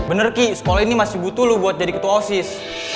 bener ki sekolah ini masih butuh loh buat jadi ketua osis